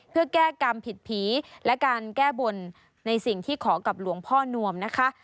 เพื่อแก้กรรมผิดผีและการแก้บนในสิ่งที่ขอกับหลวงพ่อนวมนะคะ